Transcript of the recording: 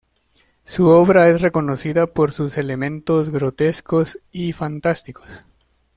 Su obra es reconocida por sus "elementos grotescos y fantásticos".